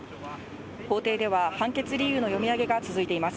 法廷では、判決理由の読み上げが続いています。